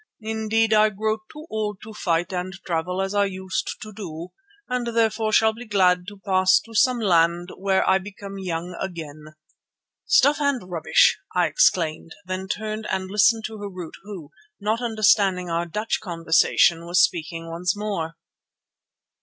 Indeed I grow too old to fight and travel as I used to do, and therefore shall be glad to pass to some land where I become young again." "Stuff and rubbish!" I exclaimed, then turned and listened to Harût who, not understanding our Dutch conversation, was speaking once more.